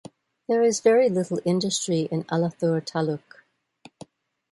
There is very little industry in Alathur Taluk.